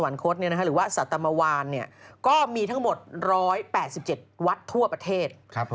ก็มีทั้งหมด๑๘๗วัดทั่วประเทศ